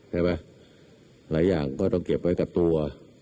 หลายอย่างก็ต้องเก็บไว้กับตัว